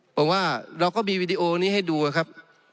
ผมว่าเราก็มีวีดีโอนี้ให้ดูครับ